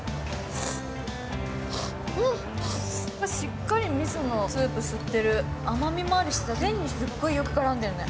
しっかり、みそのスープ吸ってる甘みもあるしさ、麺にすっごいよく絡んでるね。